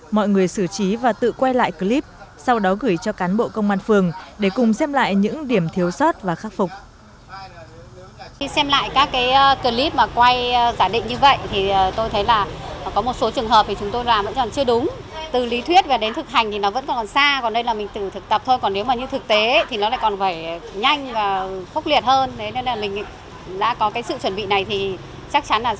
mọi người xử trí và tự quay lại clip sau đó gửi cho cán bộ công an phường để cùng xem lại những điểm thiếu sót và khắc phục